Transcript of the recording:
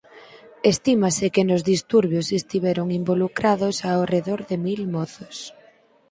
Estímase que nos disturbios estiveron involucrados ao redor de mil mozos.